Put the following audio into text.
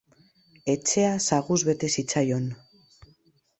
Etxea saguz bete zitzaion.